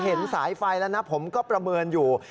สายไฟแล้วนะผมก็ประเมินอยู่